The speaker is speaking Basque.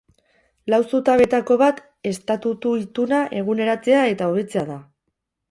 Lau zutabeetako bat estatutu-ituna eguneratzea eta hobetzea da.